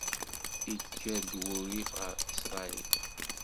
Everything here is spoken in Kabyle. Ikker-d wurrif ɣef Isṛayil.